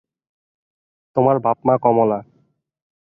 তোমার বাপ-মা– কমলা।